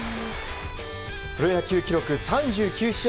プロ野球記録３９試合